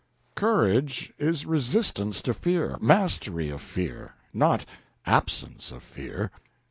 Courage is resistance to fear, mastery of fear not absence of fear.